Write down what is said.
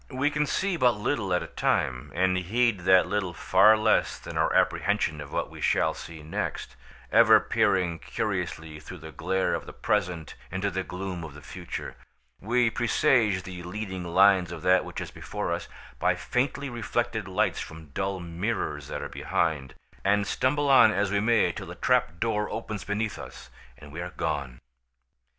We can see but little at a time, and heed that little far less than our apprehension of what we shall see next; ever peering curiously through the glare of the present into the gloom of the future, we presage the leading lines of that which is before us, by faintly reflected lights from dull mirrors that are behind, and stumble on as we may till the trap door opens beneath us and we are gone.